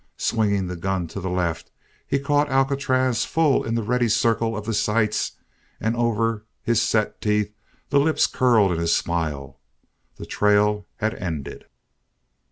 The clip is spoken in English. Swinging the gun to the left he caught Alcatraz full in the readly circle of the sights and over his set teeth the lips curled in a smile; the trail had ended!